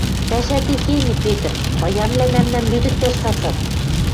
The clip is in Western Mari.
Пӓшӓ техеньӹ, Петр, паянвлӓ мӓмнӓм лӱдӹктӓш цацат.